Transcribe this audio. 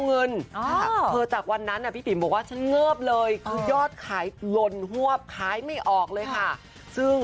เงินจากวันนั้นพี่ติมว่าเงิบเลยยอดขายขายไม่ออกเลยซึ่ง